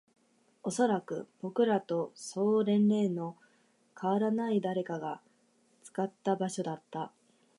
おそらく、僕らとそう年齢の変わらない誰かが作った場所だった